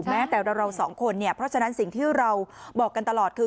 แม้แต่เราสองคนเนี่ยเพราะฉะนั้นสิ่งที่เราบอกกันตลอดคือ